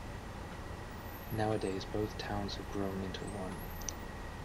Nowadays both towns have grown into one.